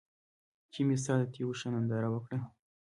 چې مې ستا د تېو ښه ننداره وکــړه